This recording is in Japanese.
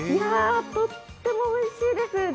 とってもおいしいです。